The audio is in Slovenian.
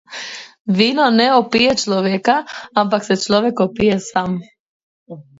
Vino ne opije človeka, ampak se človek opije sam.